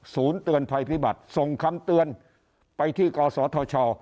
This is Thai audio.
เตือนภัยพิบัติส่งคำเตือนไปที่กศธช